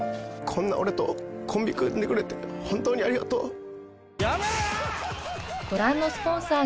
こんな俺とコンビ組んでくれて本当にありがとう。